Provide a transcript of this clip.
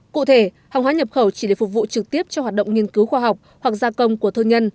cụ thể hàng hóa nhập khẩu chỉ để phục vụ trực tiếp cho hoạt động nghiên cứu khoa học hoặc gia công của thương nhân